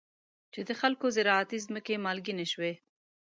چې د خلکو زراعتي ځمکې مالګینې شوي.